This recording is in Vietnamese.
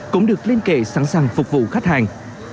cũng được liên kệ sẵn sàng phục vụ khách hàng